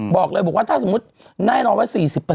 บอกเลยบอกว่าถ้าสมมุติแน่นอนว่า๔๐